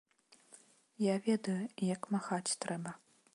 Я ведаю, як махаць трэба!